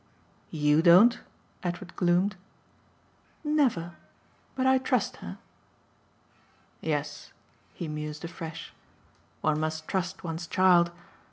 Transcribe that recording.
"YOU don't?" Edward gloomed. "Never. But I trust her." "Yes," he mused afresh, "one must trust one's child.